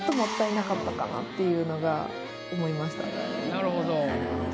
なるほど。